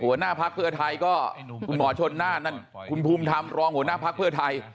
หัวหน้าพักเพื่อไทยก็บ่งเหนาะชนหน้านั่นคุณภูมิทำรองหัวหน้าพักเพื่อไทย